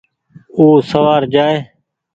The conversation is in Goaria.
او سوآر جآئي۔